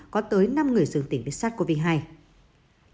có tới năm người dường tỉnh bị sát covid một mươi chín